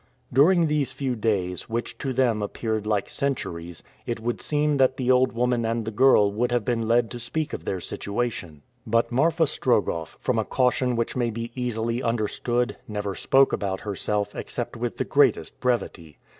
During these few days, which to them appeared like centuries, it would seem that the old woman and the girl would have been led to speak of their situation. But Marfa Strogoff, from a caution which may be easily understood, never spoke about herself except with the greatest brevity.